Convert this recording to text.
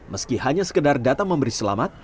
meski hanya sekedar datang memberi selamat